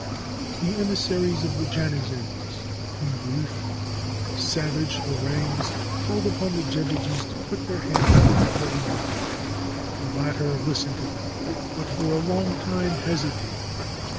The emissaries of the Janizaries, in brief, savage ha rangues, called upon the jebejis to put their hands to the bloody work. The latter listened to them, but for a long time hesitated.